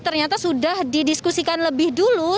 ternyata sudah didiskusikan lebih dulu